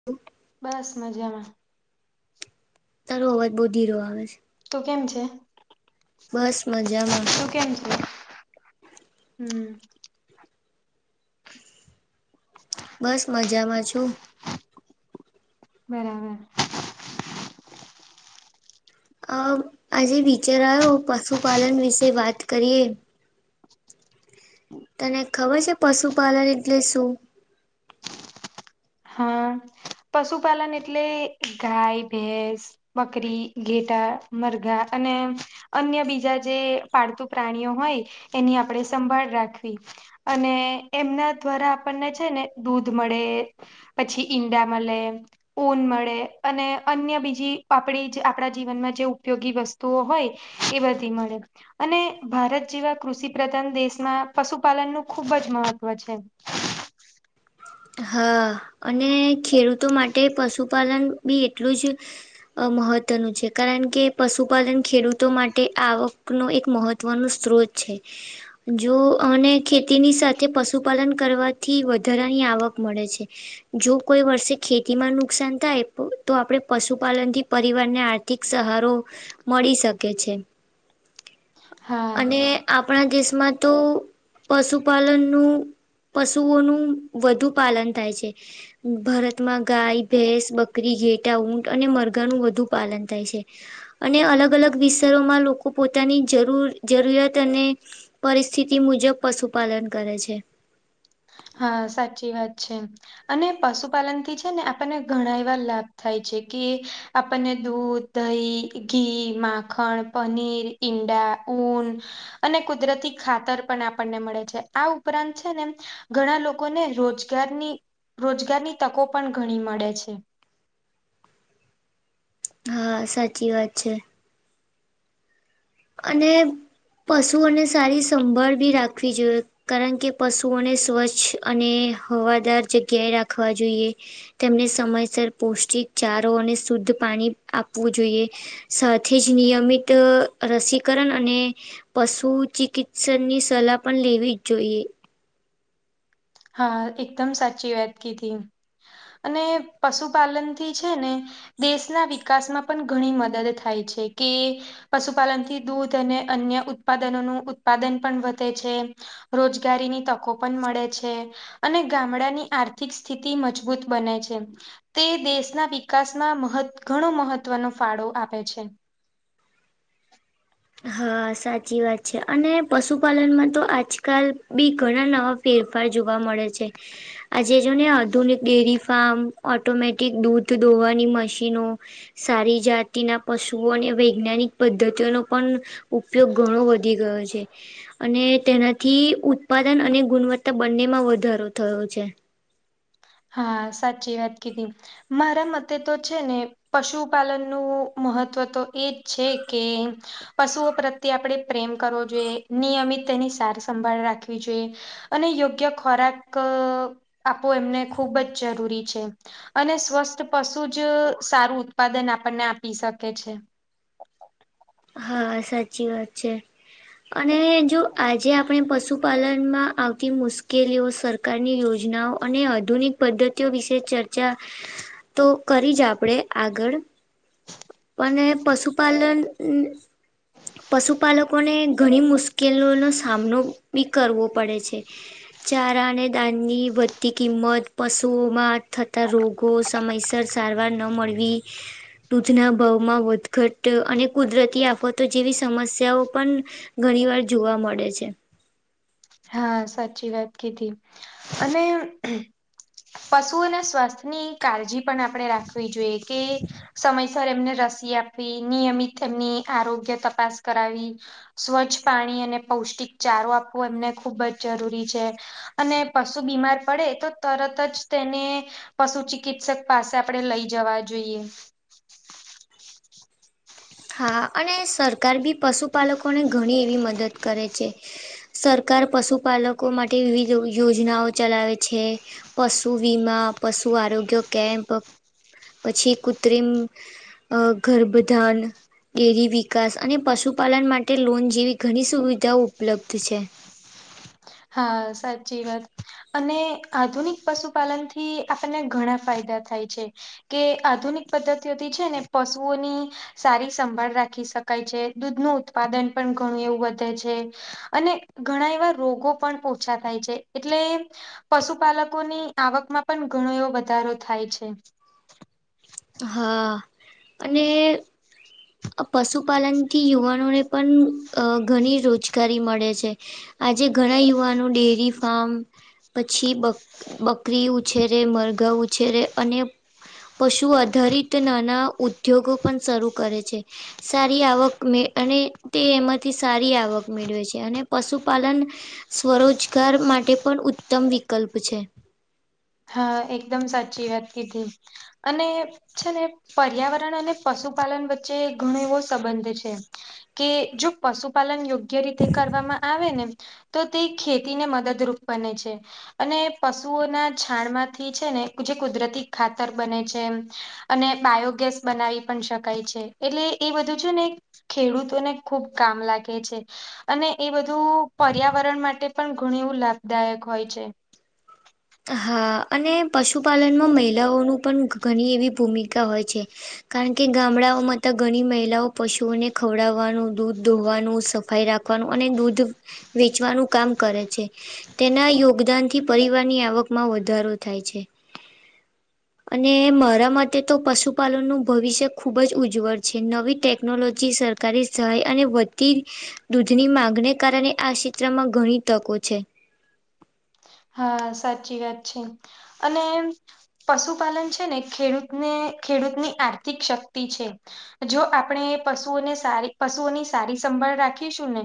[inaudible] બસ મજામાં. તારો અવાજ બહુ ધીરો આવે છે. તું કેમ છે બસ મજામાં તું કેમ છે? હમ. [inaudible] બસ મજામાં છું. બરાબર. આજે વિચારો પશુપાલન વિશે વાત કરીએ તને ખબર છે, પશુપાલન એટલે શું? હા પશુપાલન એટલે ગાય, ભેસ બકરી, ઘેટા, મરઘા અને અન્ય બીજા જે પાળતું પ્રાણીઓ હોય એની આપણે સંભાળ રાખવી. અને એમના દ્વારા આપણને છે, ને દૂધ મળે. પછી ઈંડા મલે. ઊન મળે અને અન્ય બીજી આપણી જે આપણા જીવનમાં જે ઉપયોગી વસ્તુઓ હોય. ઇ બધી મળે. અને ભારત જેવા કૃષિ પ્રધાન દેશમાં પશુપાલનનું ખૂબ જ મહત્વ છે. હા અને ખેડૂતો માટે પશુપાલન બી એટલું જ. અ મહત્ત્વનું છે, કારણ કે પશુપાલન ખેડૂતો માટે આવકનો એક મહત્ત્વનો સ્ત્રોત. છે. જો અને ખેતીની સાથે પશુપાલન કરવાથી વધારાની આવક મળે છે. જો કોઈ વર્ષે ખેતી માં નુકસાન થાય તો આપણેે પશુપાલન થી પરિવારને આ આર્થીક સહારો મળી શકે છે. [unintelligible] અને. આપણા દેશમાં તો પશુપાલનનું પશુઓનું વધુ પાલન થાય છે. ભારતમાં ગાય, ભેંસ, બકરી, ઘેટા, ઊંટ અને મરઘાનું વધુ પાલન થાય છે. અને અલગ અલગ વિસ્તારોમાં લોકો પોતાની જરૂર જરૂરિયાત અને પરિસ્થિતિ મુજબ પશુપાલન કરે છે. હા સાચી વાત છે. અને પશુપાલનથી છે, ને આપણને ઘણા એવા લાભ થાય છે, કે આપણને દૂધ દહી, ઘી, માખણ, પનીર, ઈંડા, ઊન. અને કુદરતી ખાતર પણ આપણને મળે છે, આ ઉપરાંત છે ને. ઘણા લોકોને રોજગારની રોજગારની તકો પણ ઘણી મળે છે. હા સાચી વાત છે. અને પશુને સારી સંભાળ બી રાખવી જોઈએ. કારણ કે પશુઓને સ્વચ્છ અને હવાદાર જગ્યાએ રાખવા જોઈએ. તેમને સમયસર પૌષ્ટિક ચારો અને શુદ્ધ પાણી આપવું જોઈએ. સાથે જ નિયમિત. રસીકરણ અને પશુ ચિકિત્સન ની સલાહ પણ લેવી જ જોઈએ. હા એકદમ સાચી વાત કીધી અને પશુપાલન થી છે, ને. દેશના વિકાસમાં પણ ઘણી મદદ થાય છે, કિ. પશુપાલનથી દૂધ અને અન્ય ઉત્પાદનોનું ઉત્પાદન પણ વધે છે. રોજગારીની તકો પણ મળે છે. અને ગામડાની આર્થિક સ્થિતિ મજબૂત બને છે. તે દેશના વિકાસમાં મહ ઘણો મહત્વનો ફાળો આપે છે. હા સાચી વાત છે, અને પશુપાલનમાં તો આજકાલ બી ઘણા નવા ફેરફાર જોવા મળે છે. આજે જો ને આધુનિક ડેરી ફાર્મ ઓટોમેટિક દૂધ ધોવાની મશીનો સારી જાતિના પશુઓને વૈજ્ઞાનિક પદ્ધતિઓનો પણ ઉપયોગ ઘણો વધી ગયો છે. અને તેનાથી ઉત્પાદન અને ગુણવત્તા બંને માં વધારો થયો છે. હા સાચી વાત કીધી મારા મતે તો છે, ને પશુપાલનનું મહત્ત્વ તો એજ છે, કે. પશુઓ પ્રત્યે આપણે પ્રેમ કરવો જોઈએ નિયમિત તેની સાર સંંભાળ રાખવી જોઈએ. અને યોગ્ય ખોરાક આપવો એમને ખૂબ જ જરૂરી છે. અને સ્વસ્થ પશુ જ સારું ઉત્પાદન આપણને આપી શકે છે. હા સાચી વાત છે. અને જો આજે આપણે પશુપાલન માં આવતી મુશ મુશકેલીઓ સરકારની યોજનાઓ અને આધુનિક પદ્ધતિઓ વિશે ચર્ચા તો કરી જ આપડે આગળ અને પશુપાલન પશુપાલકોને ઘણી મુશ્કેલીનો સામનો બી કરવો પડે છે. ચારા અને દાનની વધતી કિંમત પશુઓમાં થતાં રોગો સમયસર સારવાર ન મળવી. દૂધના ભાવમાં વધઘટ અને કુદરતી આફતો જેવી સમસ્યાઓ પણ ઘણી વાર જોવા મળે છે. હા સાચી વાત કીધી અને પશુઓના સ્વાસ્થ્યની કાળજી પણ આપણે રાખવી જોઈએ કે સમય એમને રસી આપવી, નિયમિત એમની આરોગ્ય તપાસ કરાવી. સ્વચ્છ પાણી અને પૌષ્ટિક ચારો આપવો એમને ખુબ જ જરૂરી છે. અને પશુ બીમાર પડે તો તરત જ તેને પશુ ચિકિત્સક પાસે આપણેે લઈ જવા જોઈએ. હા અને સરકાર બી પશુપાલકોને ઘણી એવી મદદ કરે છે. સરકાર પશુપાલકો માટે વિવિધ યોજનાઓ ચલાવે છે. પશુ વીમા, પશુ આરોગ્ય કેમ્પ. પછી કૃત્રિમ ગર્ભધાન. ડેરી વિકાસ અને પશુપાલન માટે લોન જેવી ઘણી સુવિધાઓ ઉપલબ્ધ છે. હા સાચી વાત. અને આધુનિક પશુપાલન થી આપણને ઘણા ફાયદા થાય છે. કે આધુનિક પદ્ધતિઓથી છે ને પશુઓની સારી સંભાળ રાખી શકાય છે, દૂધ ન ઉત્પાદન પણ ઘણું એવું વધે છે. અને ઘણા એવા રોગો પણ પોછા થાય છે એટલે પશુપાલકોની આવકમાં પણ ઘણો એવો વધારો થાય છે. હા અને પશુપાલનથી યુવાનોને પણ ઘણી રોજગારી મળે છે. આજે ઘણા યુવાનો ડેરી ફાર્મ પછી બ બકરી ઉછેરે મરઘા ઉછેરે અને પશુ આધારિત નાના ઉદ્યોગો પણ શરૂ કરે છે. સારી આવક મે અને તે એમાંથી સારી આવક મેળવે છે અને પશુપાલન સ્વરોજગાર માટે પણ ઉત્તમ વિકલ્પ છે. હા એકદમ સાચી વાત કીધી અને છે ને પર્યાવરણ અને પશુપાલન વચ્ચે ઘણો એવો સંબંધ છે. કે જો પશુપાલન યોગ્ય રીતે કરવામાં આવે ને તો તે ખેતીને મદદરૂપ બને છે અને પશુઓના છાણ માંથી છે ને જે કુદરતી ખાતર બને છે. અને બાયોગેસ બનાવી પણ શકાય છે એટલે એ બધું છે ને ખેડૂતોને ખુબ કામ લાગે છે. અને એ બધું પર્યાવરણ માટે પણ ઘણ એવું લાભદાયક હોય છે. હા અને પશુપાલનમાં મહિલાઓનું પણ ઘણી એવી ભૂમિકા હોય છે. કારણ કે ગામડાઓમાંતા ઘણી મહિલાઓ પશુઓને ખવડાવવાનું, દૂધ ધોવાનું, સફાઈ રાખ અને દૂધ વેચવાનું કામ કરે છે. તેના યોગદાન થી પરિવારની આવકમાં વધારો થાય છે. [inaudible] અને મારા માટે તો પશુપાલનનું ભવિષ્ય ખુબ જ ઉજ્જવળ છે નવી ટેકનોલોજી સર ધણી સહાય અને વધતી દૂધની માંગને કારણે આ ક્ષેત્રમાં ઘણી તકો છે. હા સાચી વાત છે, અને એમ. પશુપાલન છે, ને ખેડૂતને ખેડૂતની આર્થિક શક્તિ છે. જો આપણે પશુઓને સારી પશુઓની સારી સંભાળ રાખીશું, ને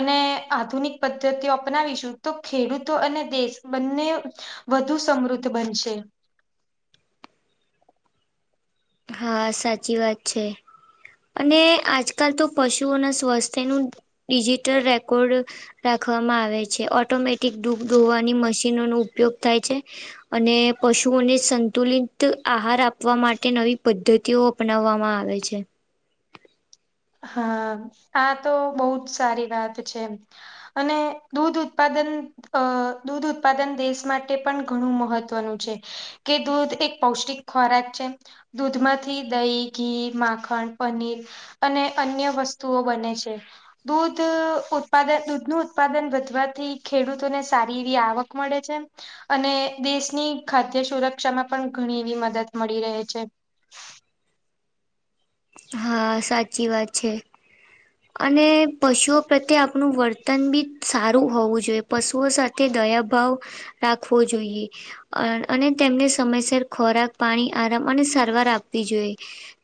અને આધુનિક પદ્ધતિઓ અપનાવીશું, તો ખેડૂતો અને. દેશ બંને વધુ સમૃદ્ધ બનશે. હા સાચી વાત છે. અને આજકાલ તો પશુઓના સ્વાસ્થ્ય નું ડિજિટલ રેકોર્ડ રાખવામાં આવે છે, ઓટોમેટિક ડૂધ ધોવાની મશીનોનો ઉપયોગ થાય છે. અને પશુઓને સંતુલિત આહાર આપવા માટે નવી પદ્ધતિઓ અપનાવવામાં આવે છે, હા આ તો બહુ જ સારી વાત છે. એમ અને દૂધ ઉત્પાદન અ દૂધ ઉત્પાદન દેશ માટે પણ ઘણું મહત્વનું છે, કે દૂધ એક પૌષ્ટિક ખોરાક છે, દૂધમાંથી દહીં, ઘી, માખણ, પનીર. અને અન્ય વસ્તુઓ બને છે. દૂધ ઉત્પાદન દૂધનું ઉત્પાદન વધવાથી ખેડૂતોને સારી એવી આવક મળે છે. અને દેશની ખાદ્ય સુરક્ષામાં પણ ઘણી એવી મદદ મળી રહે છે, હા સાચી વાત છે, [inaudible] અને પશુઓ પ્રત્યે આપણું વર્તન બી સારું હોવું જોઈએ, પશુઓ સાથે દયાભાવ રાખવો જોઈએ‌ અને તેમને સમયસર ખોરાક, પાણી આરામ અને સારવાર આપવી જોઈએ‌.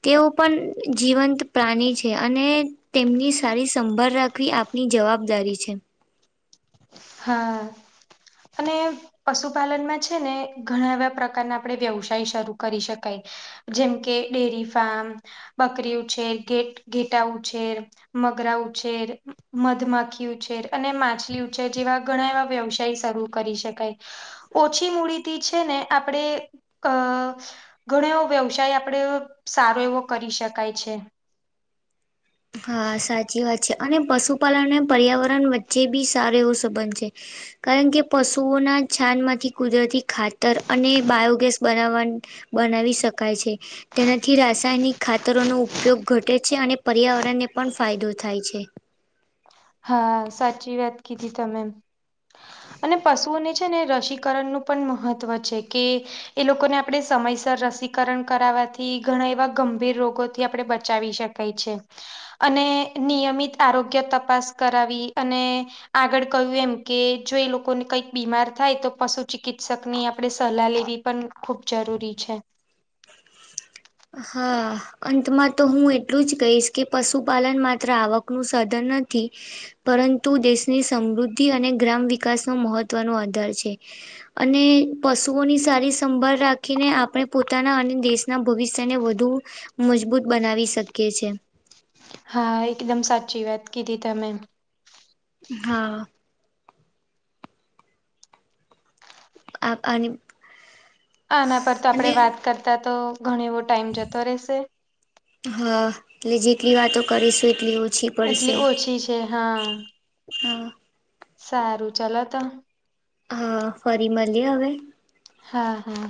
તેઓ પણ જીવંત પ્રાણી છે, અને તેમની સારી સંભાળ રાખવી આપની જવાબદારી છે, હા, અને પશુપાલનમાં છે, ને ઘણા એવા પ્રકારના આપણે વ્યવસાય શરૂ કરી શકાય. જેમ કે ડેરી ફાર્મ, બકરી ઉછેર, ઘેટાં ઉછેર. મગરા ઉછેર, મધમાખી ઉછેર, અને માછલી ઉછેર. જેવા ઘણા એવા વ્યવસાય શરૂ કરી શકાય. ઓછી મૂડીથી છે, ને આપણે અ ઘણો એવો વ્યવસાય આપડે સારો એવો કરી શકાય છે. હા સાચી વાત છે, અને પશુપાલનને પર્યાવરણ વચ્ચે બી સારો એવો સંબંધ છે. કારણ કે, પશુઓના છાણમાંથી કુદરતી ખાતર અને બાયોગેસ બનાવવાની બનાવી શકાય છે, તેનાથી રાસાયણિક ખાતરોનો ઉપયોગ ઘટે છે, અને પર્યાવરણ આપણને પણ ફાયદો થાય છે, હા સાચી વાત કીધી તમે, અને પશુઓને છે, ને રસીકરણનું પણ મહત્વ છે, કે એ લોકોને આપણેે સમયસર રસીકરણ કરાવવાથી ઘણા એવા ગંભીર રોગોથી આપણે બચાવી શકીએ, અને નિયમિત આરોગ્ય તપાસ કરાવી, અને આગળ કહ્યું એમકે જોએ લોકોને કંઈક બીમાર થાય તો પશુ ચિકિત્સકની આપણે સલાહ લેવી. પણ ખૂબ જરૂરી છે, હા, અંતમાં તો હું એટલું જ કહીશ કે પશુપાલન માત્ર આવક નું સધન નથી. પરંતુ દેશની સમૃદ્ધિ અને ગ્રામ વિકાસનો મહત્વનો આધાર છે. અને પશુઓની સારી સંભાળ રાખીને આપણે પોતાના અને દેશના ભવિષ્ય તેને વધુ મજબૂત બનાવી શકીએ છીએ. હા, એકદમ સાચી વાત કીધી તમે. હા, આ અને, આના પર તો અને આપડે વાત કરતા તો ઘણો એવો ટાઈમ જતો રહેશે હા એટલે જેટલી વાતો કરીશું એટલી ઓછી પડશે. એટલી ઓછી છે હા હા સારું ચાલ ત હા ફરી મળીએ હવે હા હા